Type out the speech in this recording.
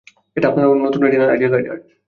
এটা আপনার নতুন রেটিনাল আই, ডি কার্ড।